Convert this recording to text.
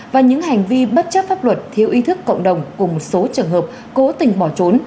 và những hành vi bất chấp pháp luật thiếu ý thức cộng đồng cùng một số trường hợp cố tình bỏ trốn